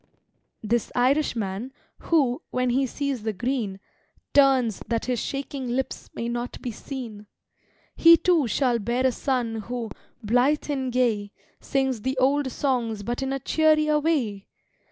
This Irishman, who, when he sees the Green, Turns that his shaking lips may not be seen, He, too, shall bear a son who, blythe and gay, Sings the old songs but in a cheerier way!